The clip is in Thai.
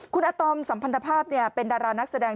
คุณอาตอมสัมพันธภาพเป็นดารานักแสดง